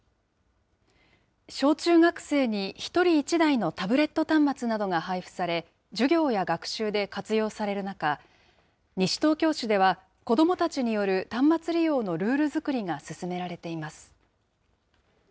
小中学生に１人１台のタブレット端末などが配付され、授業や学習で活用される中、西東京市では、子どもたちによる端末利用のルール作りが進められています。